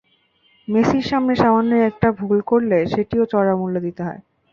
মেসির সামনে সামান্য একটা ভুল করলে সেটিরও চড়া মূল্য দিতে হয়।